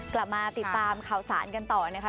กลับมาติดตามข่าวสารกันต่อนะคะ